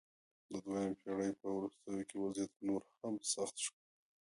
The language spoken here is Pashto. د دویمې پېړۍ په وروستیو کې وضعیت نور هم سخت شو